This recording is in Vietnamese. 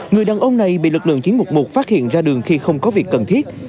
người đàn ông này bị lực lượng chiến mục một phát hiện ra đường khi không có việc cần thiết